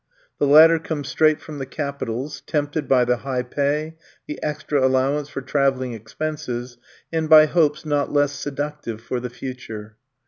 The latter come straight from the capitals, tempted by the high pay, the extra allowance for travelling expenses, and by hopes not less seductive for the future.